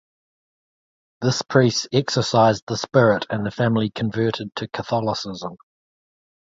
This priest exorcised the spirit and the family converted to Catholicism.